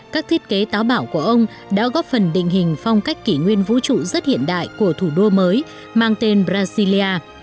các thiết kế táo bảo của ông đã góp phần định hình phong cách kỷ nguyên vũ trụ rất hiện đại của thủ đô mới mang tên brasilia